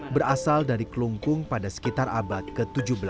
berasal dari kelungkung pada sekitar abad ke tujuh belas